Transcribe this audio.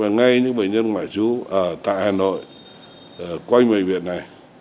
ngay những bệnh nhân ngoại trú tại hà nội quanh bệnh viện này